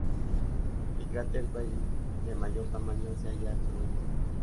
El cráter Bailly, de mayor tamaño, se halla al sureste.